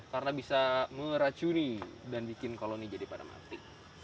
karena bisa meracuni dan bikin koloni jadi pada mati